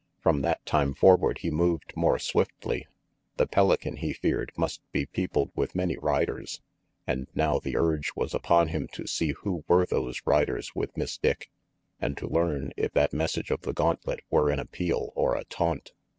From that time forward he moved more swiftly. The Pelican, he feared, must be peopled with many riders, and now the urge was upon him to see who were those riders with Miss Dick, and to learn if RANGY PETE 323 that message of the gauntlet were an appeal or a taunt.